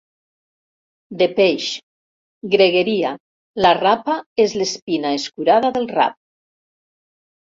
De peix —Gregueria: la rapa és l'espina escurada del rap—.